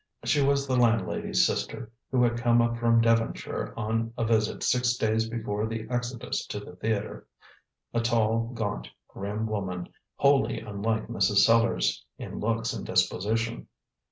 She was the landlady's sister, who had come up from Devonshire on a visit six days before the exodus to the theatre: a tall, gaunt, grim woman, wholly unlike Mrs. Sellars in looks and disposition.